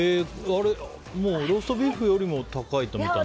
もうローストビーフよりも高いと思ったんだ。